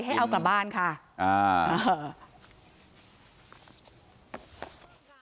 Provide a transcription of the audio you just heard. ให้เอากลับบ้านค่ะอ่า